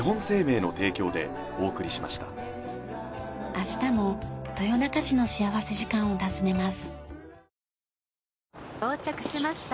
明日も豊中市の幸福時間を訪ねます。